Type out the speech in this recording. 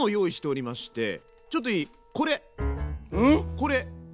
これ。